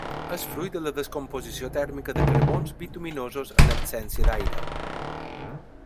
És fruit de la descomposició tèrmica de carbons bituminosos en absència d'aire.